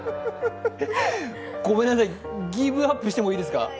ごめんなさい、ギブアップしていいですか？